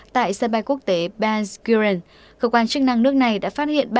tại sân bay quốc tế benzyrent cơ quan chức năng nước này đã phát hiện